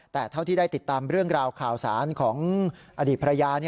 แต่เท่าที่ได้ติดตามเรื่องราวข่าวสารของอดีตภรรยา